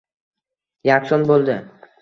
Yakson bo’ldi